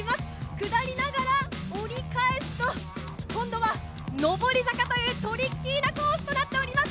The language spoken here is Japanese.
下りながら、折り返すと今度は上り坂というトリッキーなコースとなっております。